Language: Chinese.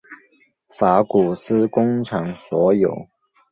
法古斯工厂所有。